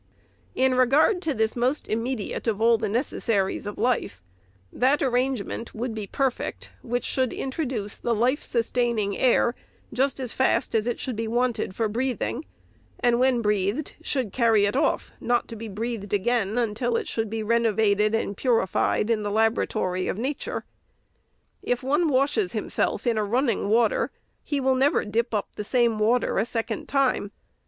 In regard to this most immediate of all the necessaries of life, that arrangement would be perfect which should introduce the life sustaining air just as fast as it should be wanted for breathing ; and, when b: eathed, should carry 444 REPORT OF THE SECRETARY it off, not to be breathed again, until it should be reno vated and purified in the laboratory of Nature. If one washes himself in running water, he will never dip up the same water a second time.